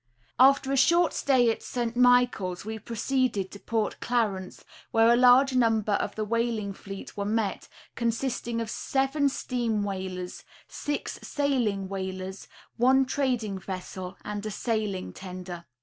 After a short stay at St. Michaels we proceeded to Port Clarence, where a large number of the whaling fleet were met, consisting of seven steam whalers, six sailing whalers, one trad ing vessel, and a sailing tender.